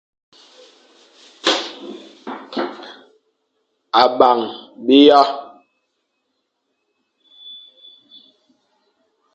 A bang biya.